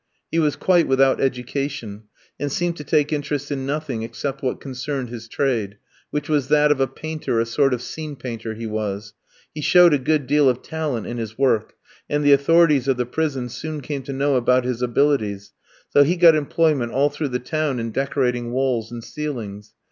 He was quite without education, and seemed to take interest in nothing except what concerned his trade, which was that of a painter, a sort of scene painter he was; he showed a good deal of talent in his work, and the authorities of the prison soon came to know about his abilities, so he got employment all through the town in decorating walls and ceilings.